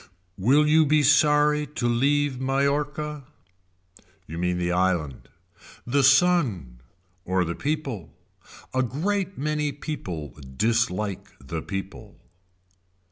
Will you be sorry to leave Mallorca. You mean the island. The sun. Or the people. A great many people dislike the people.